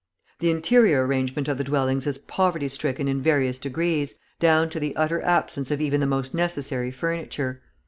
The interior arrangement of the dwellings is poverty stricken in various degrees, down to the utter absence of even the most necessary furniture.